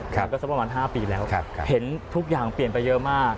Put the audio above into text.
มันก็สักประมาณ๕ปีแล้วเห็นทุกอย่างเปลี่ยนไปเยอะมาก